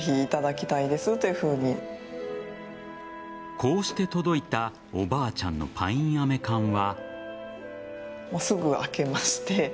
こうして届いたおばあちゃんのパインアメ缶は。